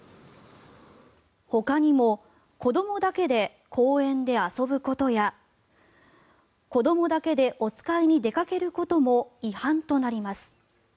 ほかにも子どもだけで公園で遊ぶことや子どもだけでお使いに出かけることも違反となります。